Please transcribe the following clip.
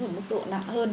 ở mức độ nặng hơn